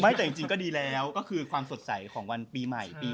แต่จริงก็ดีแล้วก็คือความสดใสของวันปีใหม่ปี